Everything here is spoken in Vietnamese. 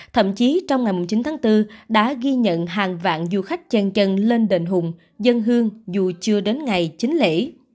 thậm chí trong ngày chín tháng bốn đã ghi nhận hàng vạn du khách chân lên đền hùng dân hương dù chưa đến ngày chính lễ